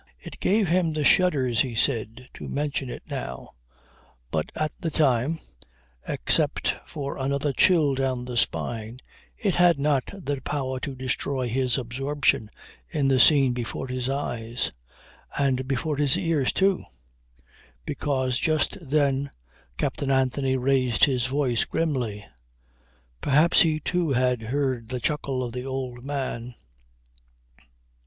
It gave him the shudders, he said, to mention it now; but at the time, except for another chill down the spine, it had not the power to destroy his absorption in the scene before his eyes, and before his ears too, because just then Captain Anthony raised his voice grimly. Perhaps he too had heard the chuckle of the old man.